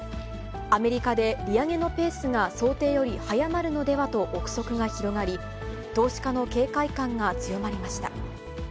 アメリカで利上げのペースが想定より速まるのではとの臆測が広がり、投資家の警戒感が強まりました。